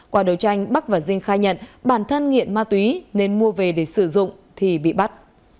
quả đầu tranh bắc và danh khai nhận bản thân nghiện ma túy nên mua về để sử dụng thì bị bắt